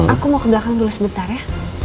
aku mau ke belakang dulu sebentar ya